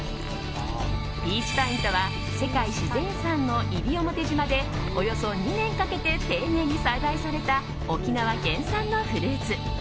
ピーチパインとは世界自然遺産の西表島でおよそ２年かけて丁寧に栽培された沖縄原産のフルーツ。